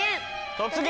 「突撃！